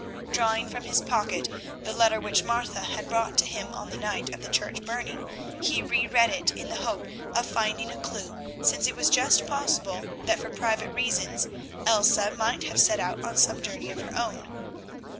Drawing from his pocket the letter which Martha had brought to him on the night of the church burning, he re read it in the hope of finding a clue, since it was just possible that for private reasons Elsa might have set out on some journey of her own.